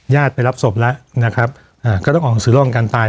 ญาติไปรับศพแล้วก็ต้องออกหนังสือรับรองการตาย